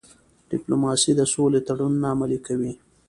ډيپلوماسي د سولې تړونونه عملي کوي.